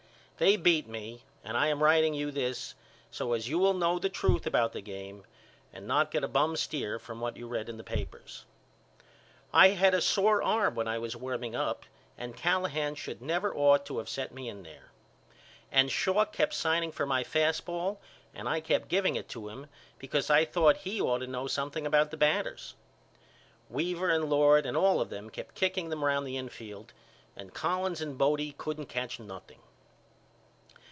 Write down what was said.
They beat me and I am writing you this so as you will know the truth about the game and not get a bum steer from what you read in the papers. I had a sore arm when I was warming up and Callahan should never ought to of sent me in there. And Schalk kept signing for my fast ball and I kept giving it to him because I thought he ought to know something about the batters. Weaver and Lord and all of them kept kicking them round the infield and Collins and Bodie couldn't catch nothing.